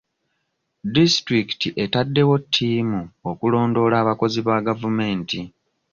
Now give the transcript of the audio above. Disitulikiti etaddewo ttiimu okulondoola abakozi ba gavumenti.